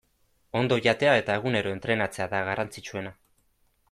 Ondo jatea eta egunero entrenatzea da garrantzitsuena.